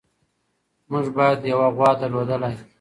موږ باید یوه غوا درلودلی.